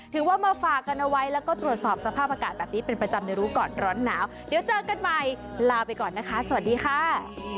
ถือว่ามาฝากกันเอาไว้แล้วก็ตรวจสอบสภาพอากาศแบบนี้เป็นประจำในรู้ก่อนร้อนหนาวเดี๋ยวเจอกันใหม่ลาไปก่อนนะคะสวัสดีค่ะ